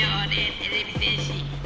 てれび戦士！